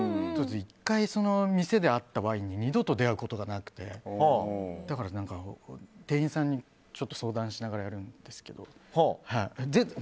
１回店で会ったワインに二度と出会うことがなくてだから、店員さんに相談しながらやるんですけど。